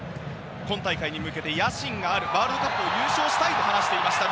今大会に向けて野心のあるワールドカップを優勝したいと話していました。